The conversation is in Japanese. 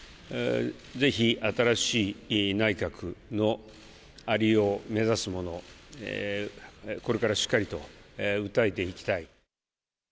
ぜひ新しい内閣のありよう、目指すもの、これからしっかりと訴えていきたい。